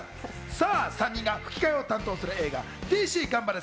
さあ、３人が吹き替えを担当する映画『ＤＣがんばれ！